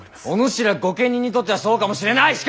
おぬしら御家人にとってはそうかもしれない。